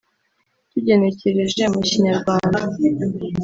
tugenekereje mu Kinyarwanda